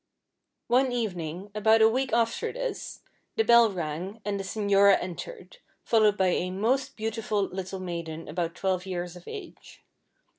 One evening, about a week after this, the bell rang, and the señora entered, followed by a most beautiful little maiden about twelve years of age.